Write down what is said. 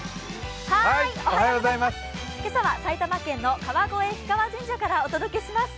今朝は埼玉県の川越氷川神社からお届けします。